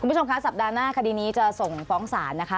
คุณผู้ชมคะสัปดาห์หน้าคดีนี้จะส่งฟ้องศาลนะคะ